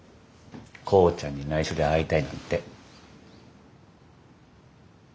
耕ちゃんに内緒で会いたいなんて。